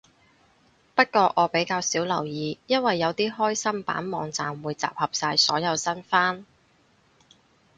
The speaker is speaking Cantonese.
不過我比較少留意，因為有啲開心版網站會集合晒所有新番